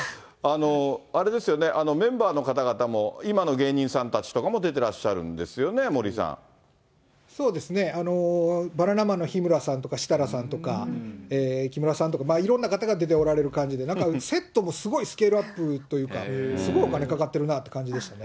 あれですよね、メンバーの方々も今の芸人さんたちとかも出てそうですね、バナナマンの日村さんとか設楽さんとか、木村さんとかいろんな方が出ておられる感じで、なんかセットもすごいスケールアップというか、すごいお金かかってるなという感じでしたね。